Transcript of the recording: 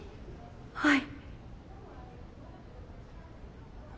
はい。